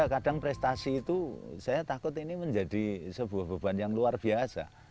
kadang prestasi itu saya takut ini menjadi sebuah beban yang luar biasa